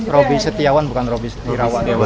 robi setiawan bukan robi setiawan